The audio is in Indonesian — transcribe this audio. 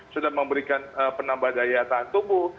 sudah memberikan penambah daya tahan tubuh